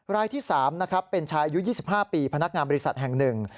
รายที่๓นะครับเป็นชายอายุ๒๕ปีพนักงานบริษัทแห่งหนึ่ง